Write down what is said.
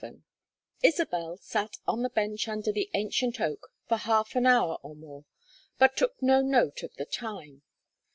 VII Isabel sat on the bench under an ancient oak for half an hour or more, but took no note of the time.